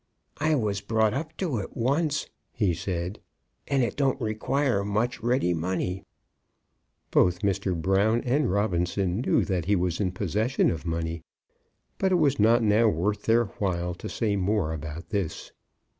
"I was brought up to it once," he said, "and it don't require much ready money." Both Mr. Brown and Robinson knew that he was in possession of money, but it was not now worth their while to say more about this.